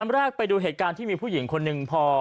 ท่านแม้แรกไปดูเหตุการณ์ที่มีผู้หญิงคนหนึ่ง